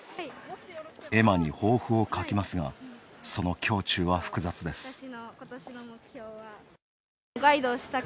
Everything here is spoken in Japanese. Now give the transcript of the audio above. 絵馬に抱負を書きますが、その胸中は複雑です。